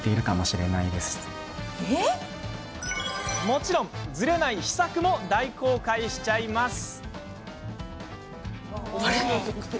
もちろん、ズレない秘策も大公開しちゃいます。